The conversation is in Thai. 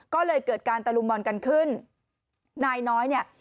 ก็เลยเกิดการตะลุมบอลกันขึ้นนายน้อยเนี่ย